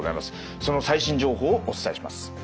その最新情報をお伝えします。